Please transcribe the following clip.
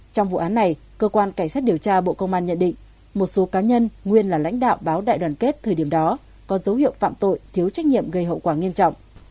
trong vụ án này cơ quan cảnh sát điều tra bộ công an nhận định một số cá nhân nguyên là lãnh đạo báo đại đoàn kết thời điểm đó có dấu hiệu phạm tội thiếu trách nhiệm gây hậu quả nghiêm trọng